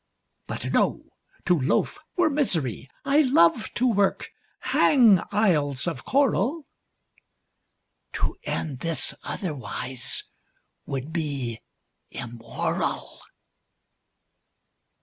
But no! to loaf were misery! I love to work! Hang isles of coral! (To end this otherwise would be Immoral!)